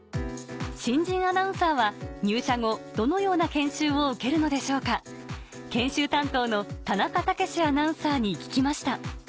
新人アナウンサーは入社後どのような研修を受けるのでしょうか研修担当の田中毅アナウンサーに聞きました